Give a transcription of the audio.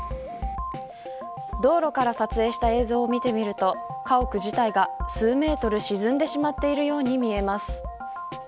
道路から撮影した映像を見てみると家屋自体が、数メートル沈んでしまっているように見えます。